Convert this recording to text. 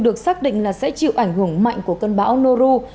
được xác định là sẽ chịu ảnh hưởng mạnh của cơn bão noru